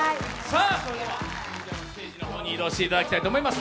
それではステージの方に移動していただきたいと思います。